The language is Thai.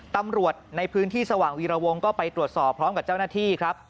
ตำรวจในพื้นที่สว่างวีรวงก็ไปตรวจสอบพร้อมกับเจ้าหน้าที่ครับ